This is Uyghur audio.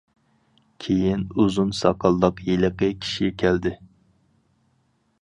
كېيىن ئۇزۇن ساقاللىق ھېلىقى كىشى كەلدى.